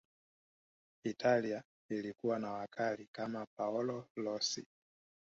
italia ilikuwa na wakali kama paolo rossi